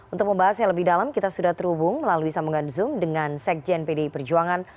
untuk membahas yang lebih dalam kita sudah terhubung melalui sambungan zoom dengan sekjen pdi perjuangan